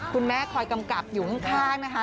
คุณแม่คอยกำกับอยู่ข้างนะฮะ